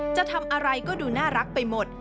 จะทำอะไรก็ดูน่ารักไปหมด